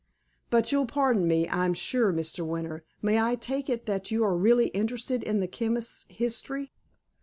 But—you'll pardon me, I'm sure, Mr. Winter—may I take it that you are really interested in the chemist's history?"